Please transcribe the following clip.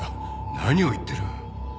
何を言っている。